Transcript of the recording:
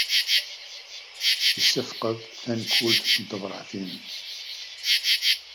Tessefqed tankult n tebṛatin.